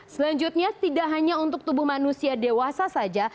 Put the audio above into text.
selanjutnya tidak hanya untuk tubuh manusia dewasa saja